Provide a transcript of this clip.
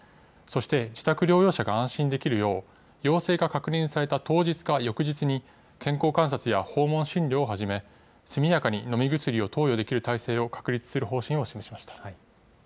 そして、自宅療養者が安心できるよう、陽性が確認された当日か翌日に、健康観察や訪問診療を始め、速やかに飲み薬を投与できる体制を確立する方針を示しました